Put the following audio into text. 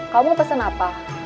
kamu pesen apa